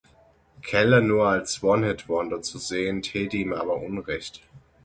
Keller nur als One-Hit-Wonder zu sehen, täte ihm aber unrecht.